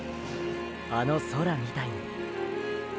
あの空みたいに。